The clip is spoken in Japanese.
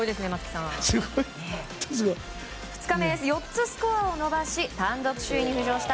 ２日目４つスコアを伸ばし単独首位に浮上した